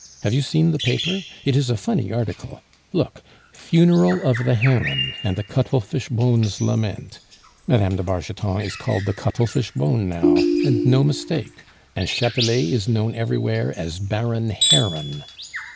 Have you seen the paper? It is a funny article. Look, 'Funeral of the Heron, and the Cuttlefish bone's lament.' Mme. de Bargeton is called the Cuttlefish bone now, and no mistake, and Chatelet is known everywhere as Baron Heron."